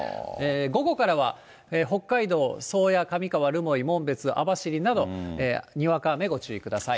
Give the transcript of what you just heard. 午後からは北海道・宗谷、上川、留萌、網走などにわか雨、ご注意ください。